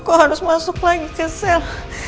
kok harus masuk lagi ke sel